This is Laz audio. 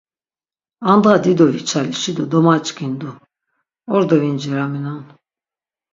Andğa dido viçalişi do domaç̆k̆indu, ordo vinciraminon.